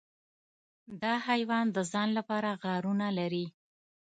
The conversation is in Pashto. دا حیوان د ځان لپاره غارونه لري.